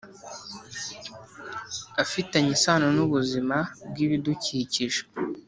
afitanye isano n ubuzima bw ibidukikije